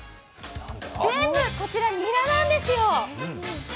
全部こちらニラなんですよ。